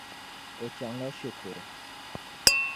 O chaŋ la shikuru.